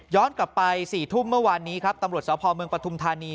กลับไป๔ทุ่มเมื่อวานนี้ครับตำรวจสพเมืองปฐุมธานี